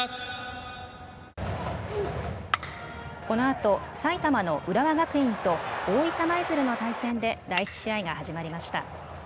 このあと埼玉の浦和学院と大分舞鶴の対戦で第１試合が始まりました。